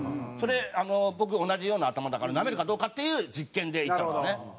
それ僕同じような頭だからなめるかどうかっていう実験で行ったんですよね。